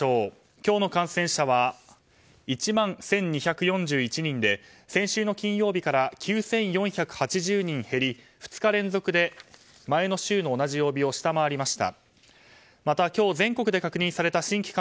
今日の感染者は１万１２４１人で先週の金曜日から９４８０人減り、２日連続で前の週の同じ曜日を下回りました。